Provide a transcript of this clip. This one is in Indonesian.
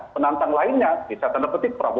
penantang lainnya bisa diterbitkan prabowo